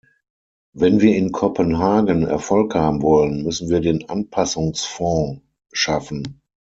Wenn wir in Kopenhagen Erfolg haben wollen, müssen wir den Anpassungsfonds schaffen.